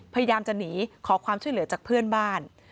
พยายามจะหนีขอความช่วยเหลือจากเพื่อนบ้าน